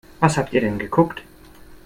Was habt ihr denn geguckt?